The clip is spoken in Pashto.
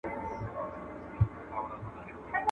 o يا موړ مړی، يا غوړ غړی.